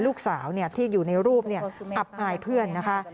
ลูกสาวที่อยู่ในรูปอับอายเพื่อนนะคะ